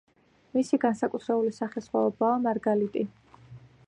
მისი განსაკუთრებული სახესხვაობაა მარგალიტი.